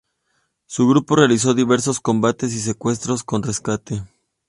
Su grupo realizó diversos combates y secuestros, con rescate.